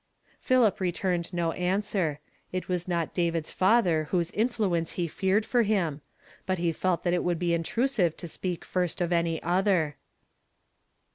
Philip returned no answer. It was not David's father whose influence he feared for him ; but he felt that it would be intrusive to speak first of any other.